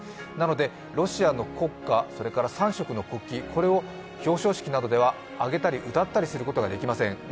なので、ロシアの国歌、３色の国旗これを表彰式などで揚げたり歌ったりすることができません。